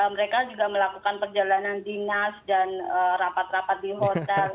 mereka juga melakukan perjalanan dinas dan rapat rapat di hotel